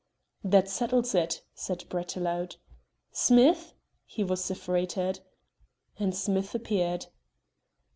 "That settles it," said Brett aloud. "Smith," he vociferated. And Smith appeared.